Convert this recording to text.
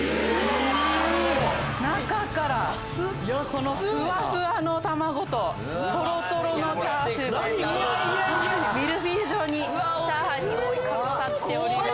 中からふわふわの卵ととろとろのチャーシューがミルフィーユ状にチャーハンに覆いかぶさっております。